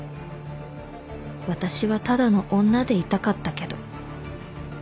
「私はただの女でいたかったけど許されない」